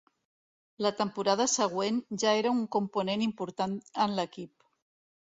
La temporada següent, ja era un component important en l'equip.